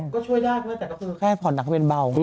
ก็ช่วยยากมากแต่ก็คือแค่ผ่อนหนักเบนเบา